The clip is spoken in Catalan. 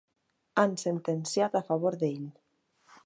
Han sentenciat a favor d'ell.